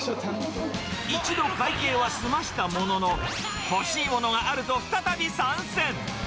一度会計は済ませたものの、欲しいものがあると、再び参戦。